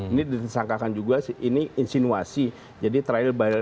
ini ditangkap juga ini insinuasi jadi trial by trial